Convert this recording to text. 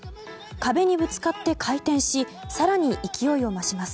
壁にぶつかって回転し更に勢いを増します。